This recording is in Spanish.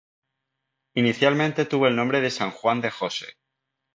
Inicialmente tuvo el nombre de San Juan de Jose.